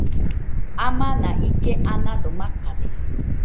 Amana ille anado makade